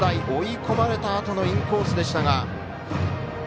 追い込まれたあとのインコースでしたが。